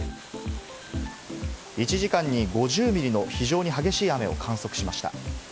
１時間に５０ミリの非常に激しい雨を観測しました。